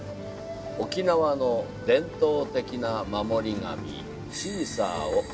沖縄の伝統的な守り神シーサーを作る職人です。